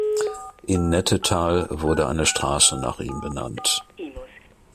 In Nettetal wurde eine Straße nach ihm benannt.